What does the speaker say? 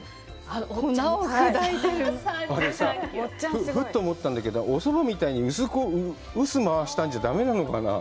あれさ、ふと思ったんだけど、おそばみたいに臼を回したんじゃだめなのかなぁ？